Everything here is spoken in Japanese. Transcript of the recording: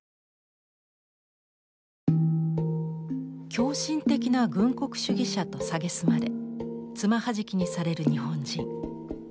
「狂信的な軍国主義者」と蔑まれ爪はじきにされる日本人。